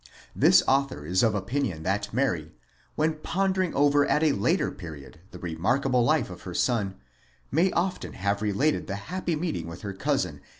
This author is of opinion that Mary, when pondering over at a later period the remarkable life of her son, may often have related the happy meeting with her cousin and * Compare = Luke i.